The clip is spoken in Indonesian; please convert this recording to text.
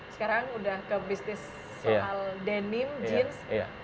sekarang udah ke bisnis soal denim jeans